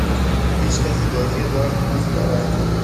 هیچکسی بازی دارت دوست دارد؟